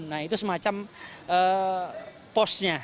nah itu semacam posnya